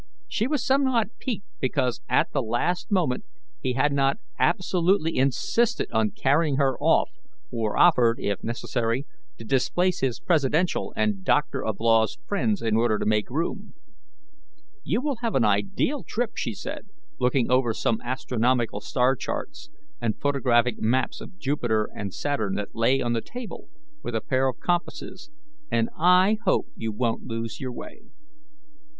She was somewhat piqued because at the last moment he had not absolutely insisted on carrying her off, or offered, if necessary, to displace his presidential and Doctor of Laws friends in order to make room. "You will have an ideal trip," she said, looking over some astronomical star charts and photographic maps of Jupiter and Saturn that lay on the table, with a pair of compasses, "and I hope you won't lose your way."